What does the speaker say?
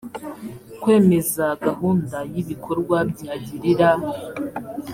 kwemeza gahunda y ibikorwa byagirira